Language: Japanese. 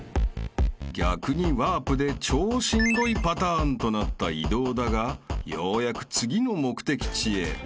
［逆にワープで超しんどいパターンとなった移動だがようやく次の目的地へ］